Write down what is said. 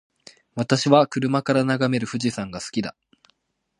私は車から眺める富士山が好きだ。